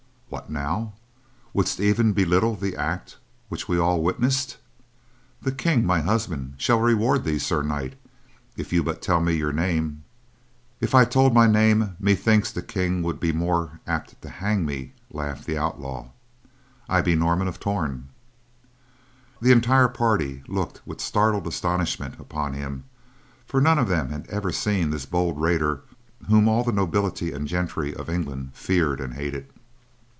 "What now! Wouldst even belittle the act which we all witnessed? The King, my husband, shall reward thee, Sir Knight, if you but tell me your name." "If I told my name, methinks the King would be more apt to hang me," laughed the outlaw. "I be Norman of Torn." The entire party looked with startled astonishment upon him, for none of them had ever seen this bold raider whom all the nobility and gentry of England feared and hated.